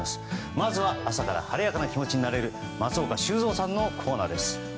まずは朝から晴れやかな気持ちになれる松岡修造さんのコーナーです。